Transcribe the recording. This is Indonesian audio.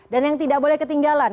yang tidak boleh ketinggalan